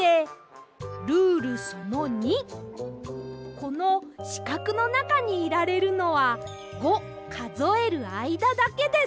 「このしかくのなかにいられるのは５かぞえるあいだだけです」。